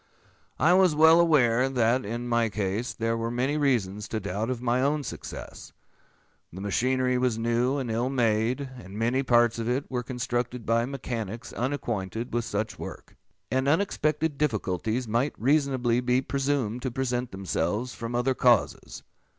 I was well aware that, in my case, there were many reasons to doubt of my own success. The machinery was new, and ill made; and many parts of it were constructed by mechanics unacquainted with such work; and unexpected difficulties might reasonably be presumed to present themselves from other causes.